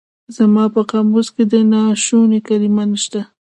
زما په قاموس کې د ناشوني کلمه نشته.